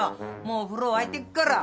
もう風呂沸いてっから。